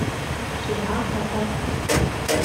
Cedhaɣ-k aṭas.